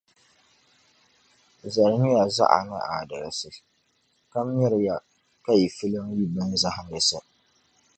Zalimi ya zaɣa ni aadalsi, ka miri ya ka yi filim yi binzahindisi.